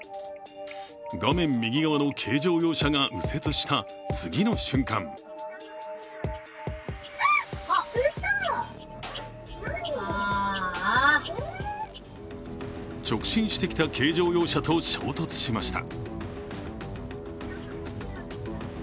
画面右側の軽乗用車が右折した次の瞬間直進してきた軽乗用車と衝突しました。